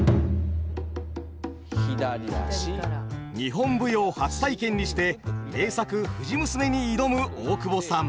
日本舞踊初体験にして名作「藤娘」に挑む大久保さん。